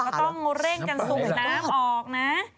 ก็ต้องเร่งกันสูบน้ำออกนะ